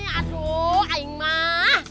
aduh aing mah